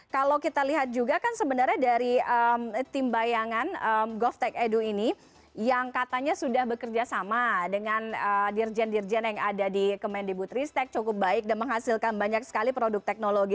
kalau kita lihat juga kan sebenarnya dari tim bayangan govtech edu ini yang katanya sudah bekerja sama dengan dirjen dirjen yang ada di kemendibutristek cukup baik dan menghasilkan banyak sekali produk teknologi